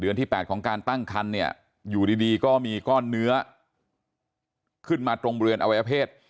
เดือนที่๘ของการตั้งคันเนี่ยอยู่ดีก็มีก้อนเนื้อขึ้นมาตรงเบือนอวัยเภษ